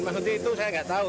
maksudnya itu saya nggak tahu